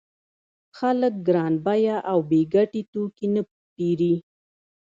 خلک ګران بیه او بې ګټې توکي نه پېري